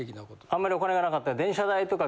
あんまりお金がなかったら。